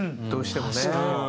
どうしてもね。